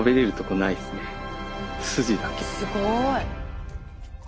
すごい。